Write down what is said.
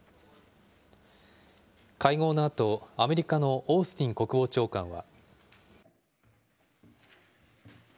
会合のあと、アメリカのオースティン国防長官は。